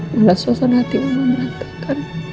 mana suasana hati mama melantarkan